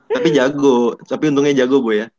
tapi jago tapi untungnya jago bu ya